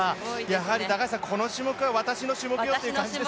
やはり高橋さん、この種目は私の種目よって感じですね。